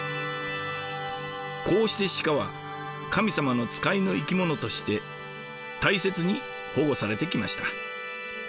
こうして鹿は神様の使いの生き物として大切に保護されてきました。